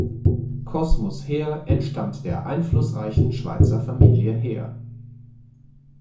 Cosmus Heer entstammt der einflussreichen Schweizer Familie Heer.